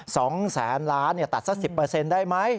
สองแสนล้านเนี่ยตัดสักสิบเปอร์เซ็นต์ได้ไหม